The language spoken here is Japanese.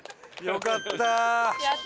よかった。